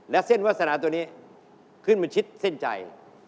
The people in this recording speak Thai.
และเส้นวาสนาตัวนี้ขึ้นมาชิดเส้นใจ